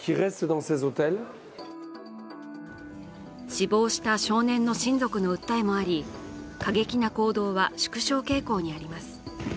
死亡した少年の親族の訴えもあり、過激な行動は縮小傾向にあります。